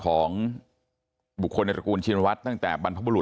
ของบุคคลในตระกูลชิณวัดตั้งแต่บรรพบลุษนะคะ